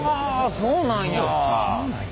そうなんや。